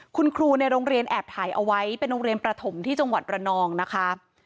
คุณครูในโรงเรียนแอบถ่ายเอาไว้เป็นโรงเรียนประถมที่จังหวัดระนองนะคะ